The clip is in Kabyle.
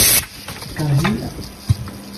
Yekṛeh-iyi?